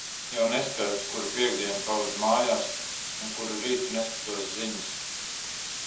Jau neskaitu, kuru piektdienu pavadu mājās un kuru rītu neskatos ziņas.